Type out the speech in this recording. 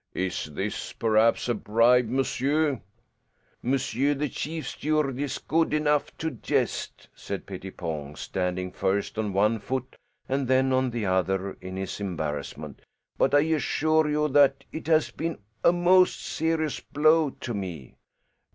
"Is this perhaps a bribe, monsieur?" "Monsieur the chief steward is good enough to jest," said Pettipon, standing first on one foot and then on the other in his embarrassment, "but I assure you that it has been a most serious blow to me."